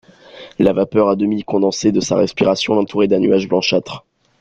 La vapeur à demi condensée de sa respiration l’entourait d’un nuage blanchâtre.